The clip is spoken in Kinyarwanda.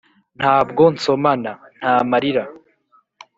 ntabwo nsomana, nta marira.